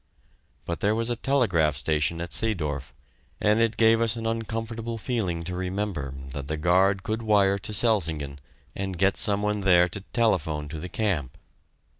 But there was a telegraph station at Seedorf, and it gave us an uncomfortable feeling to remember that the guard could wire to Selsingen and get some one there to telephone to the camp.